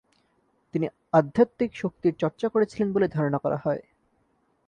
তিনি আধ্যাতিক শক্তির চর্চা করেছিলেন বলে ধারণা করা হয়।